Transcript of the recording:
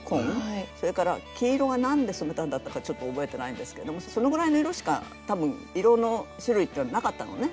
それから黄色が何で染めたんだったかちょっと覚えてないんですけどもそのぐらいの色しか多分色の種類っていうのはなかったのね。